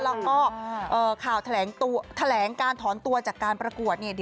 แล้วก็ข่าวแถลงการถอนตัวจากการประกวดเนี่ย